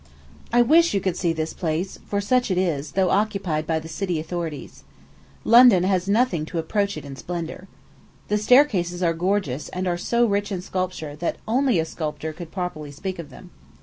I wish you could see this palace, for such it is, though occupied by the city authorities. London has nothing to approach it in splendor. The staircases are gorgeous, and are so rich in sculpture that only a sculptor could properly speak of them.